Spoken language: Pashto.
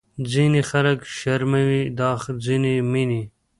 ځینې خلک شرموي دا ځینې مینې